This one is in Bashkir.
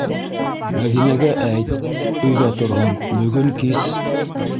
Мәҙинәгә әйт, өйҙә торһон, бөгөн кис...